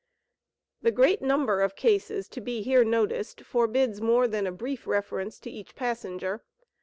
The great number of cases to be here noticed forbids more than a brief reference to each passenger.